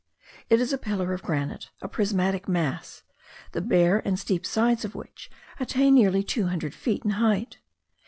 It is a pillar of granite, a prismatic mass, the bare and steep sides of which attain nearly two hundred feet in height.